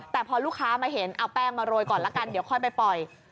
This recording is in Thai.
แต่พอลูกค้ามาเห็นเอาแป้งมาโรยก่อนละกันเดี๋ยวค่อยไปปล่อย